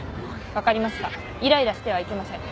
分かりますがいらいらしてはいけません。